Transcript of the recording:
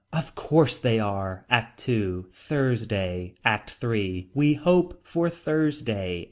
Of course they are. ACT II. Thursday. ACT III. We hope for Thursday.